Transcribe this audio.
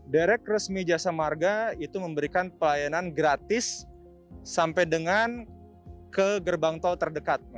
derek resmi jasa marga itu memberikan pelayanan gratis sampai dengan ke gerbang tol terdekat